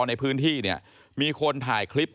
ในพื้นที่เนี่ยมีคนถ่ายคลิป